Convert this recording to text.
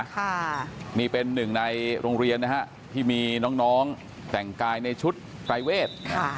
ค่ะนี่เป็นหนึ่งในโรงเรียนที่มีน้องแต่งกายในชุดปรายเวท